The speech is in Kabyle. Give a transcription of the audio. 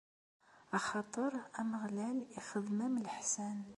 Axaṭer Ameɣlal ixdem-am leḥsan.